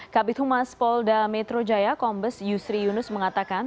kabit humas polda metro jaya kombes yusri yunus mengatakan